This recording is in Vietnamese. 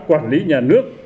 quản lý nhà nước